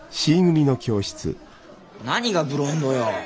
何がブロンドよ。